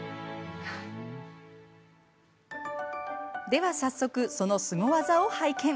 では早速、そのスゴ技を拝見。